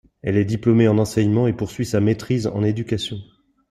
Elle est diplômée en enseignement et poursuit sa maitrise en éducation.